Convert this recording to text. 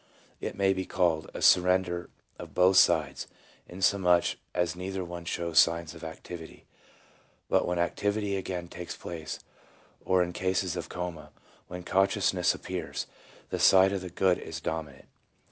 It may be called a sur render of both sides, insomuch as neither one shows signs of activity ; but when activity again takes place, or in cases of coma, when consciousness appears, the side of the good is dominant.